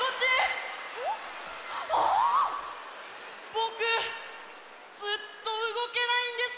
ぼくずっとうごけないんです！